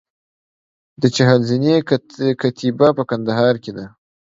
د چهل زینې کتیبه په کندهار کې ده